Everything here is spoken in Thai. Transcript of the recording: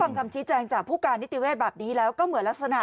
คำชี้แจงจากผู้การนิติเวศแบบนี้แล้วก็เหมือนลักษณะ